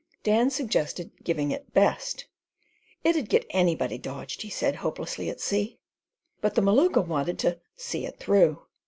Dan suggested "giving it best." "It 'ud get anybody dodged," he said, hopelessly at sea; but the Maluka wanted to "see it through."